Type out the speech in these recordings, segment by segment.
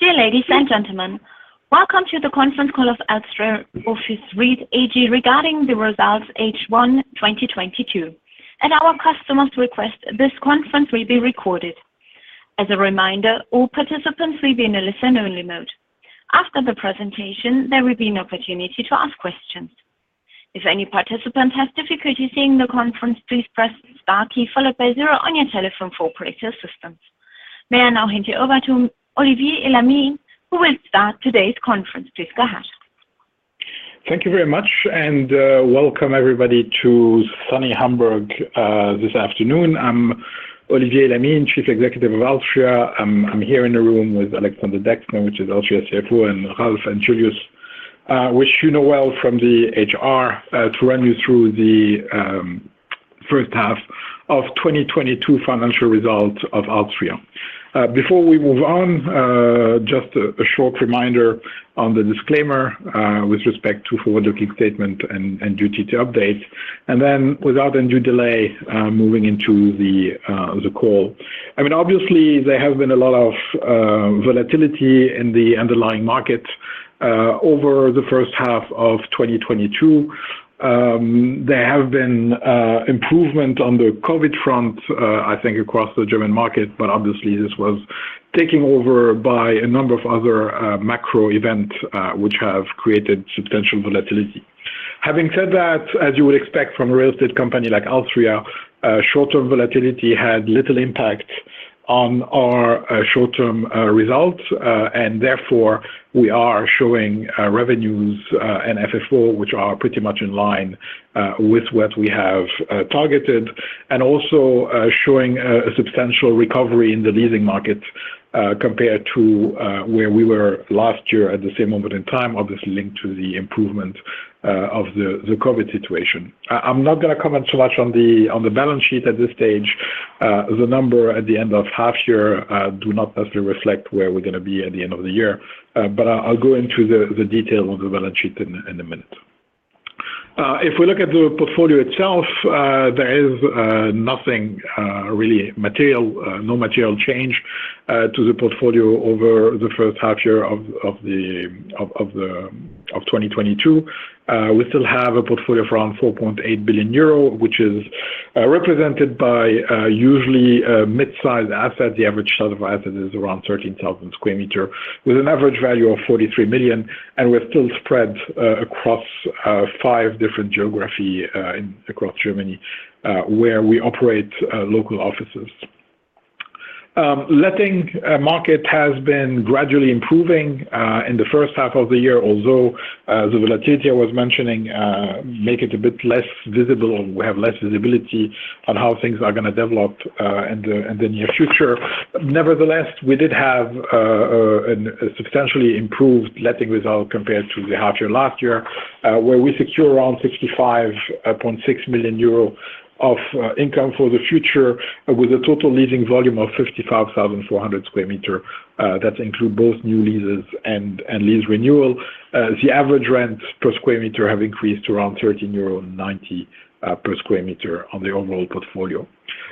Dear ladies and gentlemen, welcome to the conference call of alstria office REIT-AG regarding the results H1 2022. At our customers' request, this conference will be recorded. As a reminder, all participants will be in a listen-only mode. After the presentation, there will be an opportunity to ask questions. If any participant has difficulty seeing the conference, please press star key followed by zero on your telephone for operator assistance. May I now hand you over to Olivier Elamine, who will start today's conference. Please go ahead. Thank you very much, and welcome everybody to sunny Hamburg this afternoon. I'm Olivier Elamine, Chief Executive of alstria. I'm here in a room with Alexander Dexne, which is alstria CFO, and Ralf and Julius, which you know well from the IR, to run you through the first half of 2022 financial results of alstria. Before we move on, just a short reminder on the disclaimer with respect to forward-looking statement and duty to update. Then without any due delay, moving into the call. I mean, obviously, there have been a lot of volatility in the underlying market over the first half of 2022. There have been improvement on the COVID front, I think across the German market, but obviously, this was taken over by a number of other macro events, which have created substantial volatility. Having said that, as you would expect from a real estate company like alstria, short-term volatility had little impact on our short-term results. Therefore, we are showing revenues and FFO, which are pretty much in line with what we have targeted, and also showing a substantial recovery in the leasing market, compared to where we were last year at the same moment in time, obviously linked to the improvement of the COVID situation. I'm not gonna comment so much on the balance sheet at this stage. The number at the end of half year does not necessarily reflect where we're gonna be at the end of the year. I'll go into the detail on the balance sheet in a minute. If we look at the portfolio itself, there is nothing really material, no material change to the portfolio over the first half year of 2022. We still have a portfolio of around 4.8 billion euro, which is represented by usually mid-sized assets. The average size of asset is around 13,000 sq m, with an average value of 43 million, and we're still spread across five different geographies across Germany, where we operate local offices. Letting market has been gradually improving in the first half of the year, although the volatility I was mentioning make it a bit less visible. We have less visibility on how things are gonna develop in the near future. Nevertheless, we did have a substantially improved letting result compared to the half year last year, where we secure around 65.6 million euro of income for the future with a total leasing volume of 55,400 square meter. That include both new leases and lease renewal. The average rent per square meter have increased to around 13.90 euro per square meter on the overall portfolio.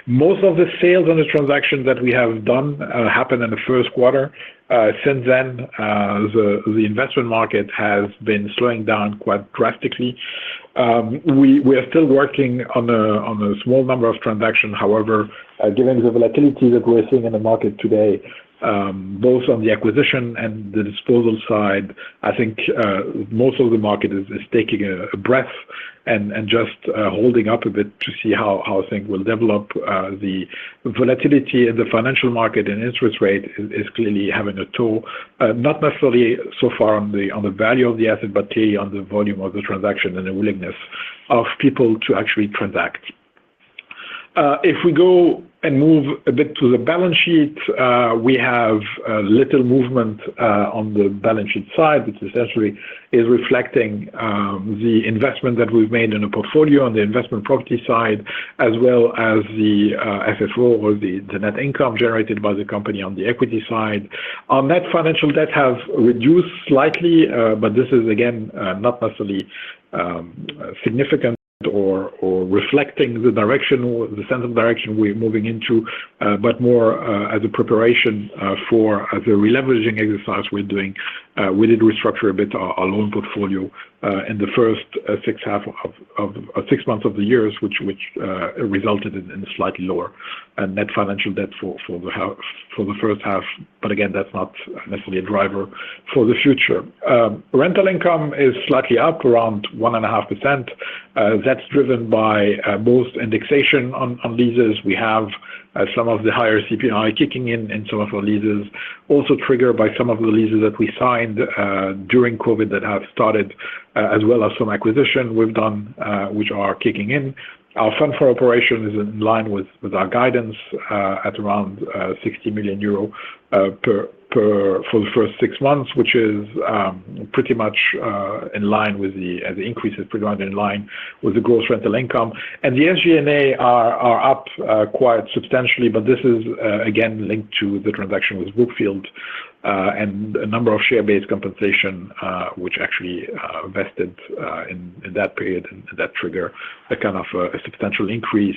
Most of the sales on the transactions that we have done happened in the first quarter. Since then, the investment market has been slowing down quite drastically. We are still working on a small number of transactions. However, given the volatility that we're seeing in the market today, both on the acquisition and the disposal side, I think most of the market is taking a breath and just holding up a bit to see how things will develop. The volatility in the financial market and interest rate is clearly having a toll, not necessarily so far on the value of the asset, but clearly on the volume of the transaction and the willingness of people to actually transact. If we go and move a bit to the balance sheet, we have little movement on the balance sheet side, which essentially is reflecting the investment that we've made in the portfolio on the investment property side, as well as the FFO or the net income generated by the company on the equity side. Our net financial debt has reduced slightly, but this is again not necessarily significant or reflecting the direction or the sense of direction we're moving into, but more as a preparation for a releveraging exercise we're doing. We did restructure a bit our loan portfolio in the first half of the six months of the year, which resulted in a slightly lower net financial debt for the first half. Again, that's not necessarily a driver for the future. Rental income is slightly up, around 1.5%. That's driven by both indexation on leases. We have some of the higher CPI kicking in in some of our leases. Also triggered by some of the leases that we signed during COVID that have started, as well as some acquisition we've done, which are kicking in. Our Fund From Operations is in line with our guidance, at around 60 million euro per- for the first six months, which is pretty much in line with the increase. The increase is pretty much in line with the gross rental income. The SG&A are up quite substantially, but this is again linked to the transaction with Brookfield and a number of share-based compensation which actually vested in that period and that trigger a kind of a substantial increase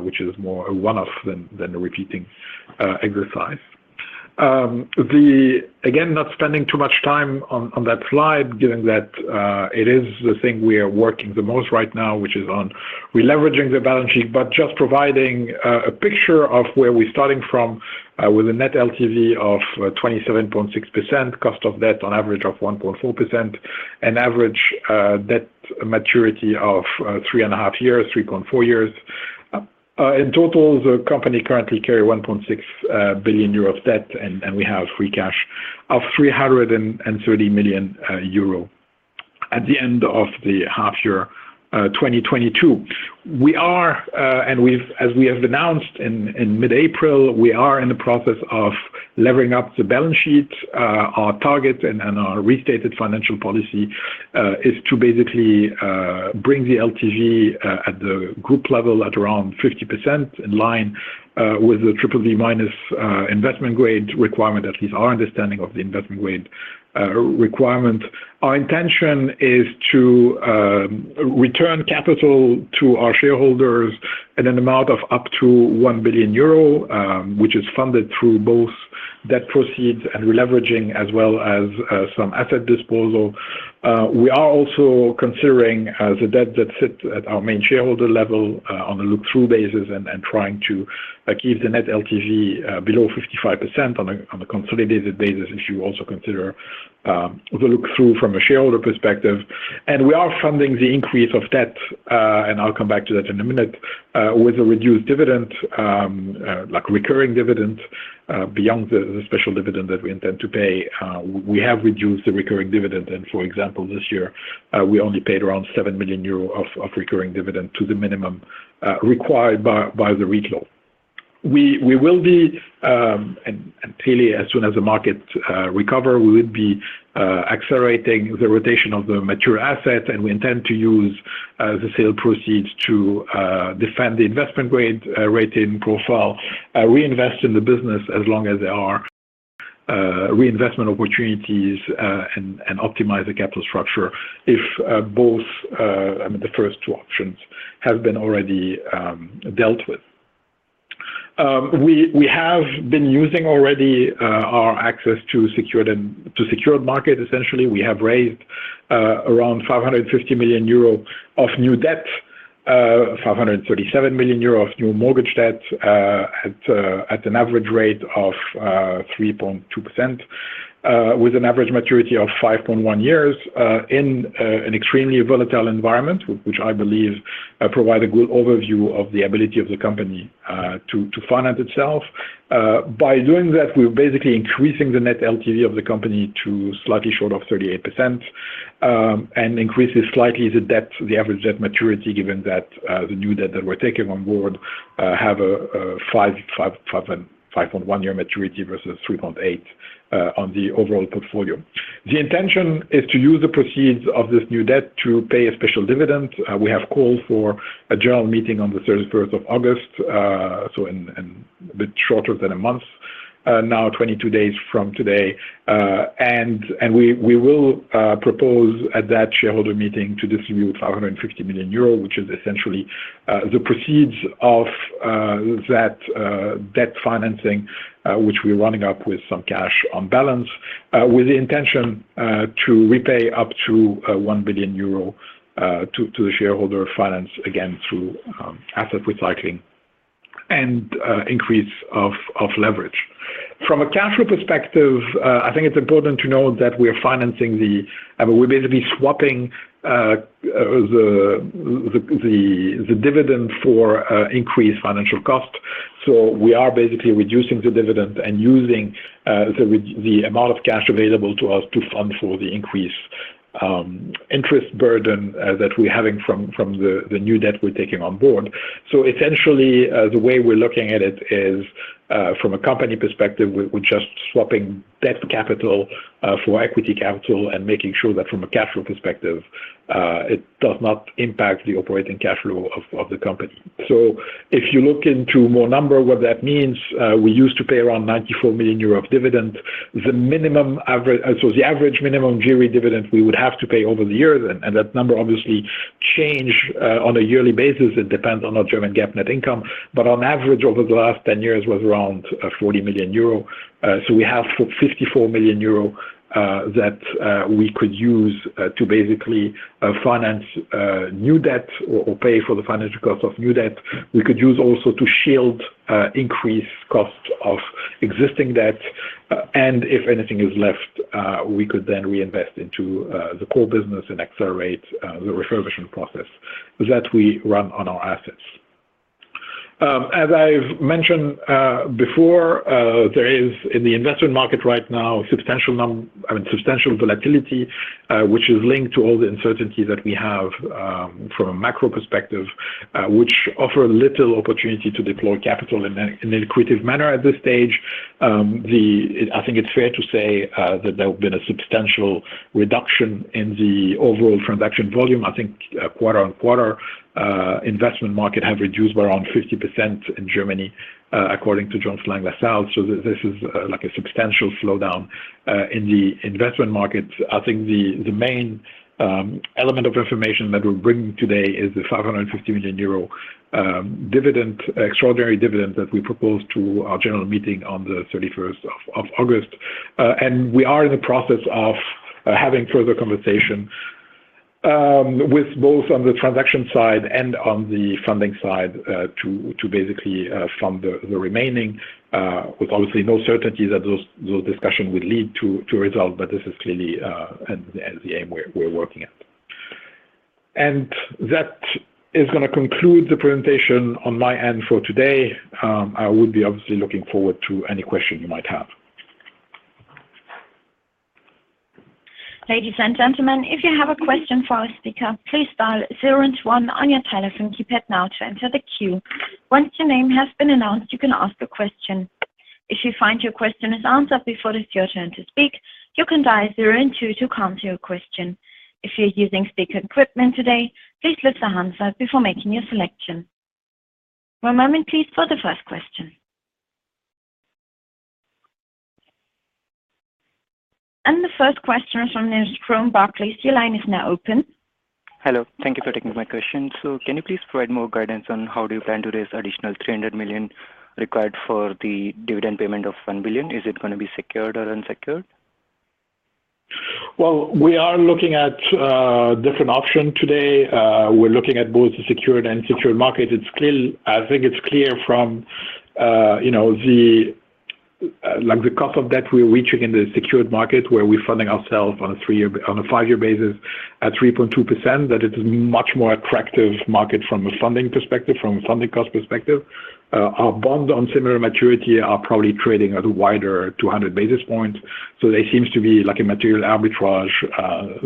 which is more a one-off than a repeating exercise. Again, not spending too much time on that slide, given that it is the thing we are working the most right now, which is on releveraging the balance sheet, but just providing a picture of where we're starting from with a net LTV of 27.6%, cost of debt on average of 1.4%, an average debt maturity of 3.5 years, 3.4 years. In total, the company currently carry 1.6 billion euro of debt, and we have free cash of 330 million euro at the end of the half year 2022. As we have announced in mid-April, we are in the process of levering up the balance sheet. Our target and our restated financial policy is to basically bring the LTV at the group level at around 50% in line with the BBB- investment grade requirement. At least our understanding of the investment grade requirement. Our intention is to return capital to our shareholders in an amount of up to 1 billion euro, which is funded through both debt proceeds and releveraging as well as some asset disposal. We are also considering the debt that sit at our main shareholder level on a look-through basis and trying to, like, keep the net LTV below 55% on a consolidated basis if you also consider the look-through from a shareholder perspective. We are funding the increase of debt and I'll come back to that in a minute with a reduced dividend, like recurring dividend, beyond the special dividend that we intend to pay. We have reduced the recurring dividend. For example, this year we only paid around 7 million euro of recurring dividend to the minimum required by the REIT. We will be, and clearly as soon as the markets recover, we will be accelerating the rotation of the mature assets, and we intend to use the sale proceeds to defend the investment-grade rating profile, reinvest in the business as long as there are reinvestment opportunities, and optimize the capital structure if both, I mean, the first two options have been already dealt with. We have been using already our access to secured market. Essentially, we have raised around 550 million euro of new debt, 537 million euro of new mortgage debt, at an average rate of 3.2%, with an average maturity of 5.1 years, in an extremely volatile environment, which I believe provide a good overview of the ability of the company to finance itself. By doing that, we're basically increasing the net LTV of the company to slightly short of 38%, and increases slightly the average debt maturity, given that the new debt that we're taking on board have a 5.1-year maturity versus 3.8 on the overall portfolio. The intention is to use the proceeds of this new debt to pay a special dividend. We have called for a general meeting on the 31st of August, so in a bit shorter than a month, now 22 days from today. We will propose at that shareholder meeting to distribute 550 million euro, which is essentially the proceeds of that debt financing, which we're running up with some cash on balance, with the intention to repay up to 1 billion euro to the shareholder finance, again, through asset recycling and increase of leverage. From a cash flow perspective, I think it's important to note that we are financing the- I mean, we're basically swapping the dividend for increased financial cost. We are basically reducing the dividend and using the amount of cash available to us to fund for the increased interest burden that we're having from the new debt we're taking on board. Essentially, the way we're looking at it is, from a company perspective, we're just swapping debt capital for equity capital and making sure that from a cash flow perspective, it does not impact the operating cash flow of the company. If you look into the numbers, what that means, we used to pay around 94 million euro of dividend. The average minimum guaranteed dividend we would have to pay over the years, and that number obviously change on a yearly basis, it depends on our German GAAP net income. On average, over the last 10 years was around 40 million euro. We have 54 million euro that we could use to basically finance new debt or pay for the financial cost of new debt. We could use also to shield increased costs of existing debt. If anything is left, we could then reinvest into the core business and accelerate the refurbishment process that we run on our assets. As I've mentioned before, there is in the investment market right now substantial volatility, which is linked to all the uncertainty that we have from a macro perspective, which offer little opportunity to deploy capital in a accretive manner at this stage. I think it's fair to say that there have been a substantial reduction in the overall transaction volume. I think quarter-on-quarter investment market have reduced by around 50% in Germany according to Jones Lang LaSalle. This is like a substantial slowdown in the investment market. I think the main element of reformation that we're bringing today is the 550 million euro extraordinary dividend that we propose to our general meeting on the 31st of August. We are in the process of having further conversations with both on the transaction side and on the funding side to basically fund the remaining with obviously no certainty that those discussions will lead to a result, but this is clearly as the aim we're working at. That is gonna conclude the presentation on my end for today. I would be obviously looking forward to any question you might have. Ladies and gentlemen, if you have a question for our speaker, please dial zero and one on your telephone keypad now to enter the queue. Once your name has been announced, you can ask a question. If you find your question is answered before it is your turn to speak, you can dial zero and two to cancel your question. If you're using speaker equipment today, please lift your hand up before making your selection. One moment please for the first question. The first question is from Nirav from Barclays. Your line is now open. Hello. Thank you for taking my question. Can you please provide more guidance on how do you plan to raise additional 300 million required for the dividend payment of 1 billion? Is it gonna be secured or unsecured? Well, we are looking at different option today. We're looking at both the secured and unsecured market. It's clear. I think it's clear from you know, the like the cost of debt we're reaching in the secured market where we're funding ourselves on a five-year basis at 3.2%, that it is much more attractive market from a funding perspective, from a funding cost perspective. Our bond on similar maturity are probably trading at a wider 200 basis points. There seems to be like a material arbitrage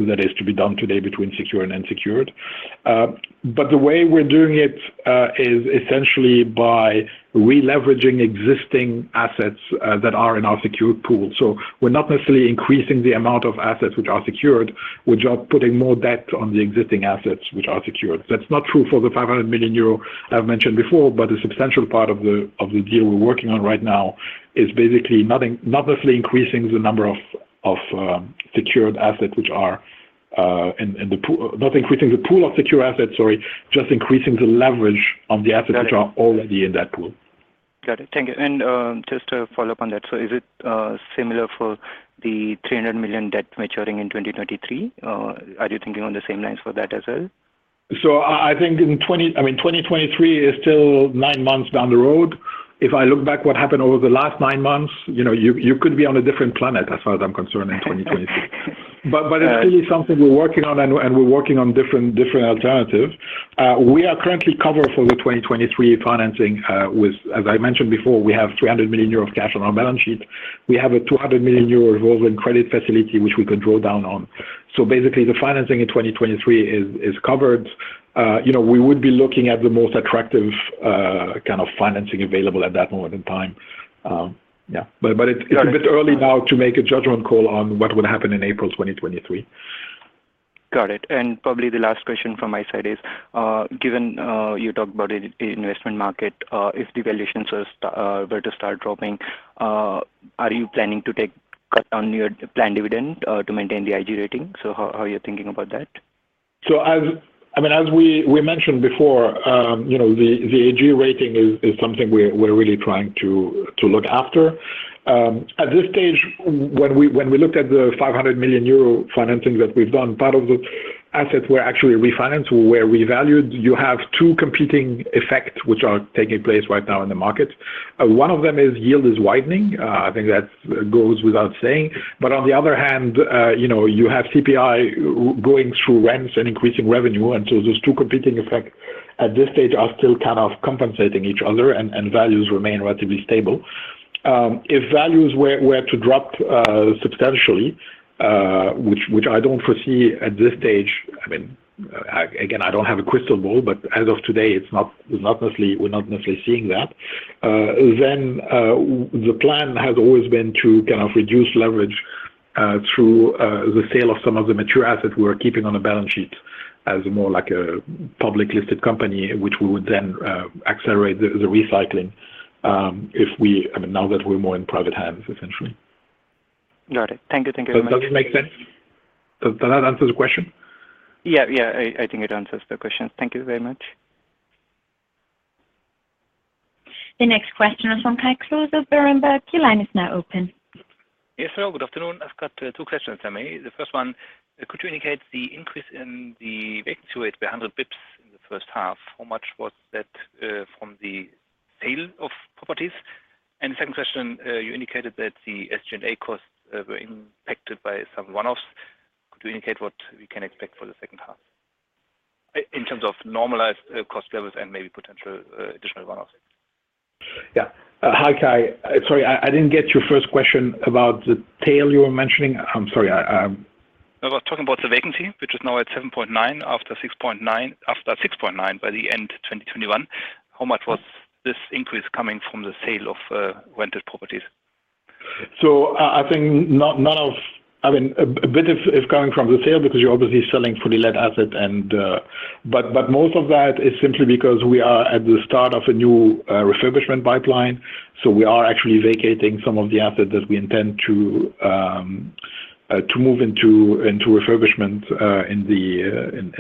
that is to be done today between secured and unsecured. The way we're doing it is essentially by re-leveraging existing assets that are in our secured pool. We're not necessarily increasing the amount of assets which are secured. We're just putting more debt on the existing assets which are secured. That's not true for the 500 million euro I've mentioned before, but a substantial part of the deal we're working on right now is basically not necessarily increasing the number of secured assets which are in the pool of secured assets, sorry, just increasing the leverage on the assets which are already in that pool. Got it. Thank you. Just to follow up on that, is it similar for the 300 million debt maturing in 2023? Are you thinking on the same lines for that as well? I think, I mean, 2023 is still nine months down the road. If I look back what happened over the last nine months, you know, you could be on a different planet as far as I'm concerned in 2023. Yeah. It's really something we're working on and we're working on different alternatives. We are currently covered for the 2023 financing, with, as I mentioned before, we have 300 million euros of cash on our balance sheet. We have a 200 million euro revolving credit facility which we could draw down on. Basically, the financing in 2023 is covered. You know, we would be looking at the most attractive kind of financing available at that moment in time. Yeah. But it's a bit early now to make a judgment call on what would happen in April 2023. Got it. Probably the last question from my side is, given you talked about it, investment market, if the valuations were to start dropping, are you planning to take cut on your planned dividend to maintain the IG rating? How are you thinking about that? I mean, as we mentioned before, you know, the IG rating is something we're really trying to look after. At this stage, when we looked at the 500 million euro financing that we've done, part of the assets were actually refinanced, were revalued. You have two competing effects which are taking place right now in the market. One of them is yields widening. I think that goes without saying. But on the other hand, you know, you have CPI running through rents and increasing revenue. Those two competing effects at this stage are still kind of compensating each other and values remain relatively stable. If values were to drop substantially, which I don't foresee at this stage, I mean, again, I don't have a crystal ball, but as of today, it's not- we're not necessarily seeing that. The plan has always been to kind of reduce leverage through the sale of some of the mature assets we're keeping on the balance sheet as more like a public listed company, which we would then accelerate the recycling. I mean, now that we're more in private hands, essentially. Got it. Thank you. Thank you very much. Does that make sense? Does that answer the question? Yeah. I think it answers the question. Thank you very much. The next question is from Kai Klose of Berenberg. Your line is now open. Yes, hello. Good afternoon. I've got two questions for me. The first one, could you indicate the increase in the vacancy rate by 100 basis points in the first half? How much was that from the sale of properties? The second question, you indicated that the SG&A costs were impacted by some one-offs. Could you indicate what we can expect for the second half in terms of normalized cost levels and maybe potential additional one-offs? Yeah. Hi, Kai. Sorry, I didn't get your first question about the tail you were mentioning. I'm sorry. I was talking about the vacancy, which is now at 7.9% after 6.9% by the end of 2021. How much was this increase coming from the sale of rented properties? I think none of. I mean, a bit is coming from the sale because you're obviously selling fully let asset, but most of that is simply because we are at the start of a new refurbishment pipeline. We are actually vacating some of the assets that we intend to move into refurbishment in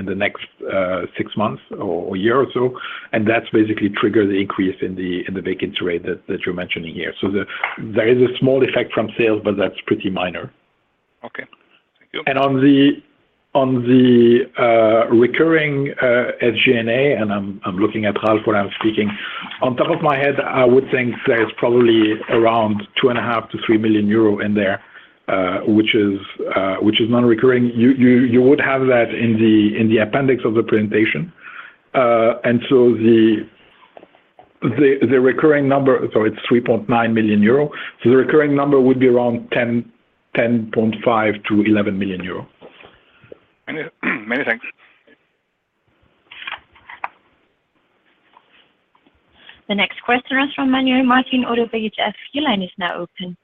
the next six months or year or so. That's basically triggered the increase in the vacancy rate that you're mentioning here. There is a small effect from sales, but that's pretty minor. On the recurring SG&A, and I'm looking at Ralf when I'm speaking. Off the top of my head, I would think there's probably around 2.5 million -3 million euro in there, which is non-recurring. You would have that in the appendix of the presentation- sorry, it's 3.9 million euro. The recurring number would be around 10.5 million -11 million euro. Many, many thanks. The next question is from Manuel Martin, Oddo BHF. Your line is now open.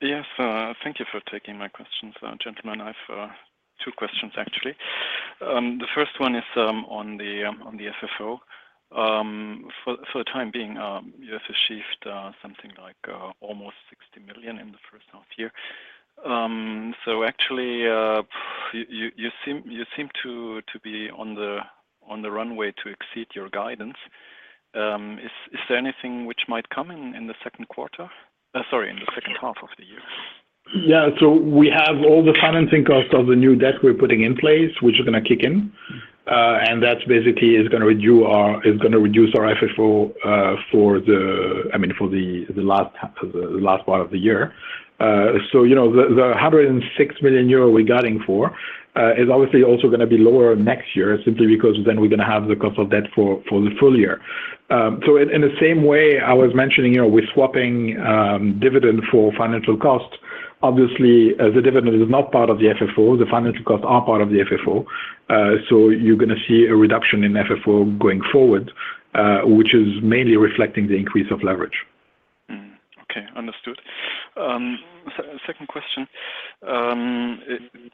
Yes. Thank you for taking my questions, gentlemen. I've two questions actually. The first one is on the FFO. For the time being, you have achieved something like almost 60 million in the first half year. Actually, you seem to be on the runway to exceed your guidance. Is there anything which might come in the second quarter- sorry, in the second half of the year? Yeah. We have all the financing costs of the new debt we're putting in place, which are gonna kick in. That basically is gonna reduce our FFO. I mean, for the last part of the year. You know, the 106 million euro we're guiding for is obviously also gonna be lower next year simply because then we're gonna have the cost of debt for the full year. In the same way I was mentioning, you know, we're swapping dividend for financial costs. Obviously, the dividend is not part of the FFO, the financial costs are part of the FFO. You're gonna see a reduction in FFO going forward, which is mainly reflecting the increase of leverage. Okay. Understood. Second question.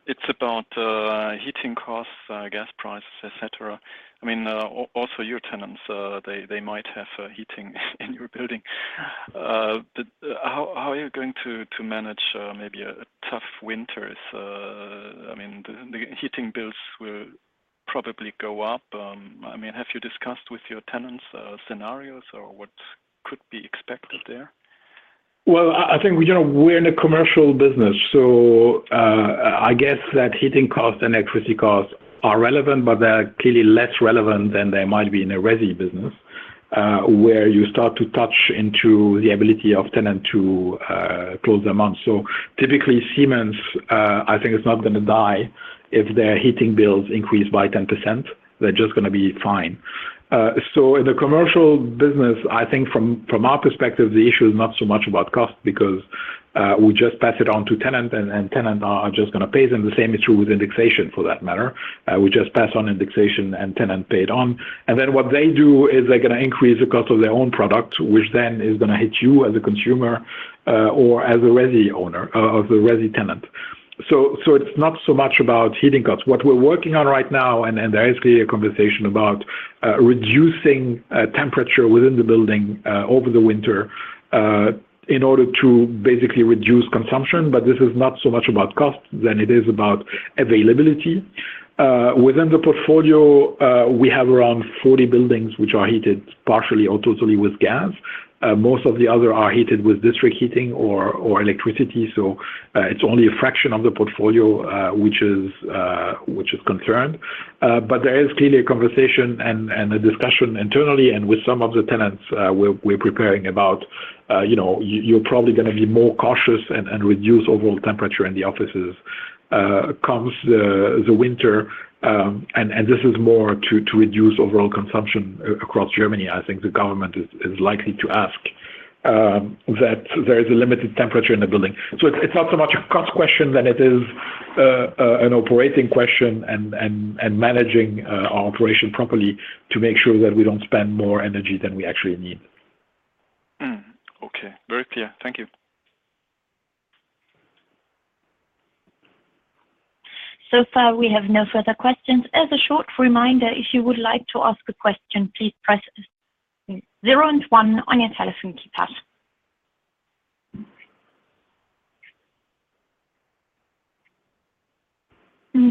It's about heating costs, gas prices, et cetera. I mean, also your tenants, they might have heating in your building. How are you going to manage maybe a tough winter if the heating bills will probably go up. I mean, have you discussed with your tenants scenarios or what could be expected there? Well, I think we. You know, we're in a commercial business, so I guess that heating costs and electricity costs are relevant, but they're clearly less relevant than they might be in a resi business, where you start to touch into the ability of tenant to cover the amount. Typically, Siemens I think is not gonna die if their heating bills increase by 10%. They're just gonna be fine. In the commercial business, I think from our perspective, the issue is not so much about cost because we just pass it on to tenant and tenant are just gonna pay them. The same is true with indexation for that matter. We just pass on indexation and tenant pay it on. What they do is they're gonna increase the cost of their own product, which then is gonna hit you as a consumer, or as a resi owner, of the resi tenant. It's not so much about heating costs. What we're working on right now, and there is clearly a conversation about reducing temperature within the building over the winter, in order to basically reduce consumption, but this is not so much about cost than it is about availability. Within the portfolio, we have around 40 buildings which are heated partially or totally with gas. Most of the other are heated with district heating or electricity. It's only a fraction of the portfolio, which is concerned, but here is clearly a conversation and a discussion internally and with some of the tenants. We're preparing about- you know, you're probably gonna be more cautious and reduce overall temperature in the offices comes the winter. This is more to reduce overall consumption across Germany. I think the government is likely to ask that there is a limited temperature in the building. It's not so much a cost question than it is an operating question and managing our operation properly to make sure that we don't spend more energy than we actually need. Okay. Very clear. Thank you. So far, we have no further questions. As a short reminder, if you would like to ask a question, please press zero and one on your telephone keypad.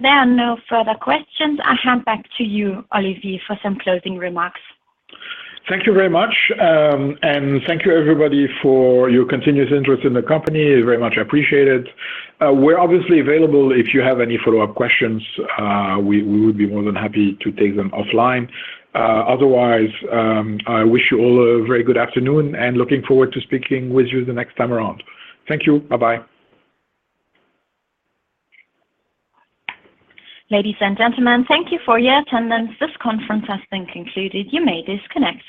There are no further questions. I hand back to you, Olivier, for some closing remarks. Thank you very much. Thank you everybody for your continuous interest in the company. It's very much appreciated. We're obviously available if you have any follow-up questions. We would be more than happy to take them offline. Otherwise, I wish you all a very good afternoon, and looking forward to speaking with you the next time around. Thank you. Bye-bye. Ladies and gentlemen, thank you for your attendance. This conference has been concluded. You may disconnect.